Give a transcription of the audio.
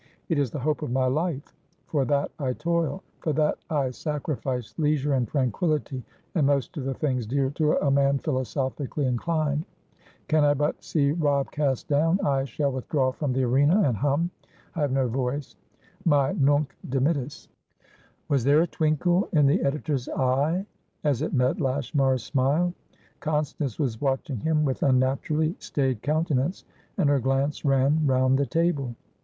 It is the hope of my life. For that I toil; for that I sacrifice leisure and tranquillity and most of the things dear to a man philosophically inclined. Can I but see Robb cast down, I shall withdraw from the arena and hum (I have no voice) my Nunc dimittis." Was there a twinkle in the editor's eye as it met Lashmar's smile? Constance was watching him with unnaturally staid countenance, and her glance ran round the table.